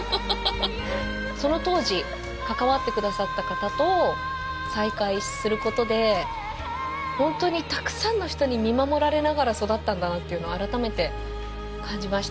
その当時、かかわってくださった方と再会することで本当にたくさんの人に見守られながら育ったんだなというのを改めて感じました。